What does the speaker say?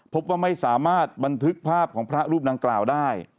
พบว่าไม่สามารถบันทึกภาพของพระรูปดังกล่าวได้